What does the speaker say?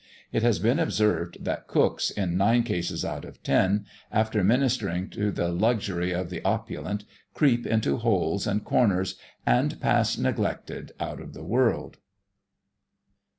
It has been observed that cooks, in nine cases out of ten, after ministering to the luxury of the opulent, creep into holes and corners, and pass neglected out of the world.